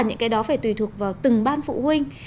những cái đó phải tùy thuộc vào từng ban phụ huynh